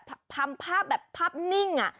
ทำภาพแบบภาพนิ่ง